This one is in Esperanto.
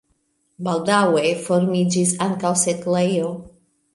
Baldaŭe formiĝis ankaŭ setlejo.